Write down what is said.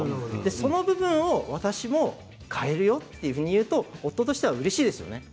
その部分を私も変えるよというふうに言うと夫としてはうれしいですよね。